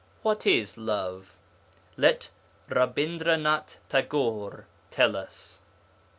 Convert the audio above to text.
What is love? Let Rabindranath Tagore tell us.